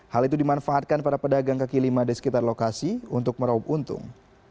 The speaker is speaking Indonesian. hal itu dimanfaatkan para pedagang kaki lima di sekitar lokasi untuk meraup untung